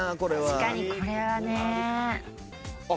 確かにこれはね。